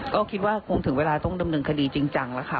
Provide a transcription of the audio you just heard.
ก็คิดว่าคงถึงเวลาต้องดำเนินคดีจริงจังแล้วค่ะ